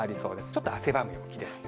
ちょっと汗ばむ陽気です。